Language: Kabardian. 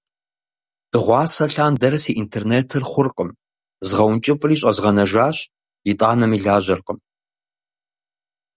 Дыгъуасэ лъандэрэ си интернетыр хъуркъым. Згъэункӏыфӏри щӏэзгъанэжащ, итӏанэми лажьэркъым.